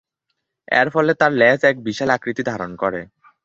এর ফলে তার লেজ এক বিশাল আকৃতি ধারণ করে।